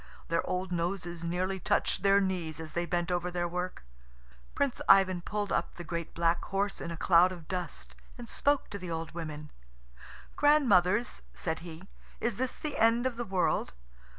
Their old noses nearly touched their knees as they bent over their work. Little Prince Ivan pulled up the great black horse in a cloud of dust, and spoke to the old women. "Grandmothers," said he, "is this the end of the world?